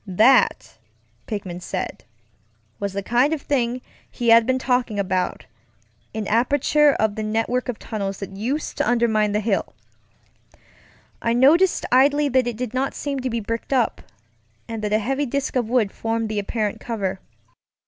That, Pickman said, was the kind of thing he had been talking aboutŌĆöan aperture of the network of tunnels that used to undermine the hill. I noticed idly that it did not seem to be bricked up, and that a heavy disk of wood formed the apparent cover.